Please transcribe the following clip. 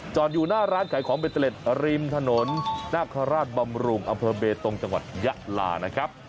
จอดอยู่หน้าร้านขายของเบ็ดเจล็ดริมถนนณคราชบำรุงอเบตรตรงจังหวัดยะลานะครับ